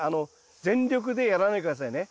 全力でやらないで下さいね。